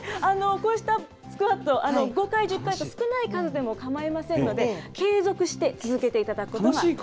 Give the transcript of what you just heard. こうしたスクワット、５回、１０回とか少ない数でもかまいませんので、継続して続けていただ